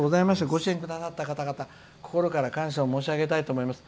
ご支援くださった方々心から感謝を申し上げたいと思います。